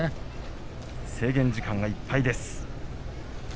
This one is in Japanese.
制限時間いっぱいです。